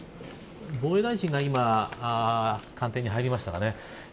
防衛大臣が今官邸に入りましたかね。